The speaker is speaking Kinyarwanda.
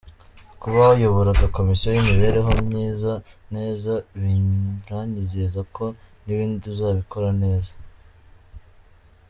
Kuba wayoboraga Komisiyo y’imibereho myiza neza, biranyizeza ko n’ibindi uzabikora neza.